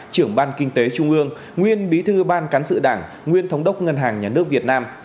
trưởng ban kinh tế trung ương nguyên bí thư ban cán sự đảng nguyên thống đốc ngân hàng nhà nước việt nam